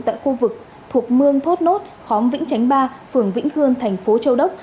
tại khu vực thuộc mương thốt nốt khóm vĩnh chánh ba phường vĩnh hương thành phố châu đốc